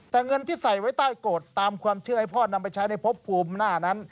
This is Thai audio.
แต่เงินที่ใส่ไว้ใต้โกรธตามความเชื่อให้พ่อนำไปใช้ในพบภูมิหน้านั้น